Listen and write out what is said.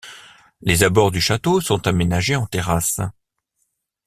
Les abords du château sont aménagés en terrasses.